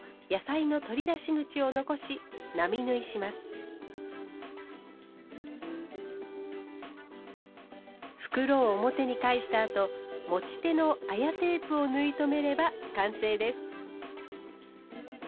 クロスの側面を袋を表に返したあと持ち手の綾テープを縫い留めれば完成です。